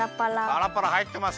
パラパラはいってます。